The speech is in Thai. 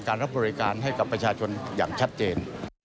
รับบริการให้กับประชาชนอย่างชัดเจน